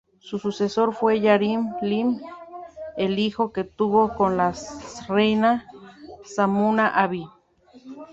Su sucesor fue Yarim-Lim I, el hijo que tuvo con la reina Sumunna-Abi.